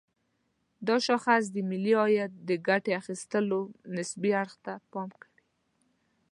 دا شاخص د ملي عاید د ګټه اخيستلو نسبي اړخ ته پام کوي.